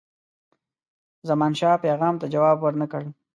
زمانشاه پیغام ته جواب ورنه کړ.